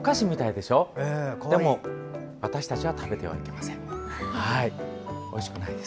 でも、私たちは食べてはいけません。